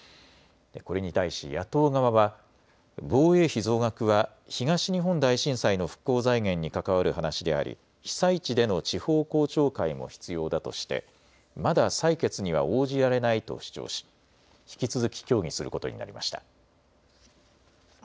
これに対し野党側は防衛費増額は東日本大震災の復興財源に関わる話であり被災地での地方公聴会も必要だとしてまだ採決には応じられないと主張し引き続き協議することになりました。